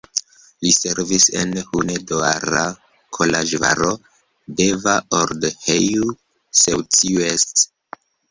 Li servis en Hunedoara, Koloĵvaro, Deva, Odorheiu Secuiesc.